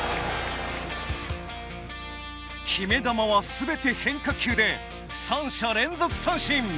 決め球は全て変化球で三者連続三振。